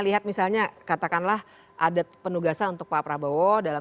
lihat misalnya katakanlah adat penugasan untuk pak prabowo